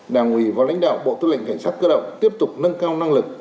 đảng ủy và lãnh đạo bộ tư lệnh cảnh sát cơ động tiếp tục nâng cao năng lực